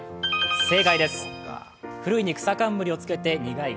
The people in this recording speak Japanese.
正解です。